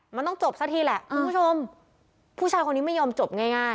มันต้องจบสักทีแหละคุณผู้ชมผู้ชายคนนี้ไม่ยอมจบง่าย